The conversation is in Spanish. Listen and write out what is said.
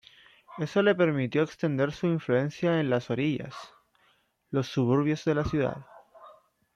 Eso le permitió extender su influencia en las "orillas", los suburbios de la ciudad.